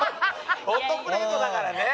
ホットプレートだからね。